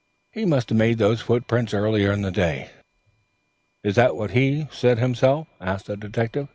He must have made those footmarks earlier in the day." "Is that what he himself says?" asked the detective.